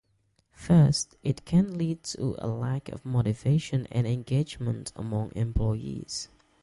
First, it can lead to a lack of motivation and engagement among employees.